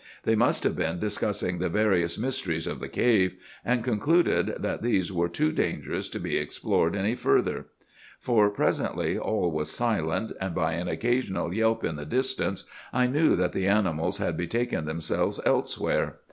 They must have been discussing the various mysteries of the cave, and concluded that these were too dangerous to be explored any further; for presently all was silent, and by an occasional yelp in the distance, I knew that the animals had betaken themselves elsewhere.